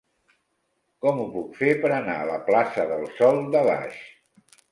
Com ho puc fer per anar a la plaça del Sòl de Baix?